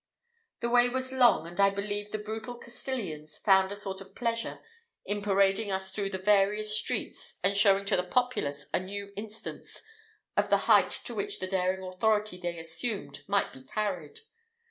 The way was long, and I believe the brutal Castilians found a sort of pleasure in parading us through the various streets, and showing to the populace a new instance of the height to which the daring authority they assumed might be carried.